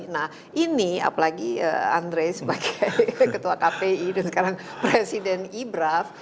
nah ini apalagi andre sebagai ketua kpi dan sekarang presiden ibraf